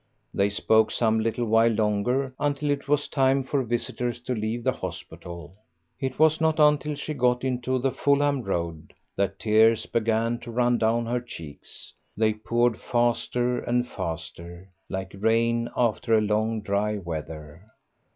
They spoke some little while longer, until it was time for visitors to leave the hospital. It was not until she got into the Fulham Road that tears began to run down her cheeks; they poured faster and faster, like rain after long dry weather.